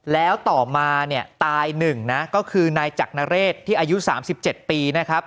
แล้วต่อมาเนี่ยตาย๑นะก็คือนายจักรนเรศที่อายุ๓๗ปีนะครับ